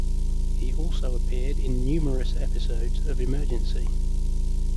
He also appeared in numerous episodes of Emergency!